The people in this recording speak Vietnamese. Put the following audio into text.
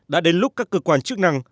đã đến lúc các cơ quan chức năng